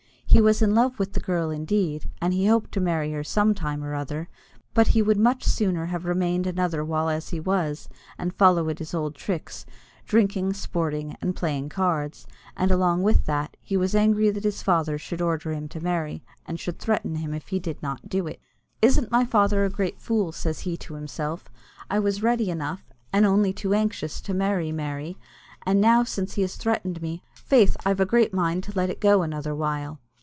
He was in love with the girl indeed, and he hoped to marry her sometime or other, but he would much sooner have remained another while as he was, and follow on at his old tricks drinking, sporting, and playing cards; and, along with that, he was angry that his father should order him to marry, and should threaten him if he did not do it. "Isn't my father a great fool," says he to himself. "I was ready enough, and only too anxious, to marry Mary; and now since he threatened me, faith I've a great mind to let it go another while."